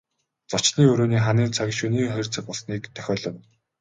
Зочны өрөөний ханын цаг шөнийн хоёр цаг болсныг дохиолов.